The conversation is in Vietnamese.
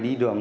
đi đường đi